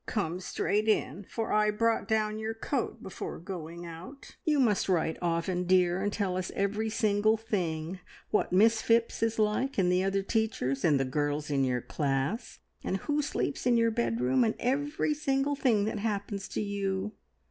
Come straight in, for I brought down your coat before going out. You must write often, dear, and tell us every single thing. What Miss Phipps is like, and the other teachers, and the girls in your class, and who sleeps in your bedroom, and every single thing that happens to you."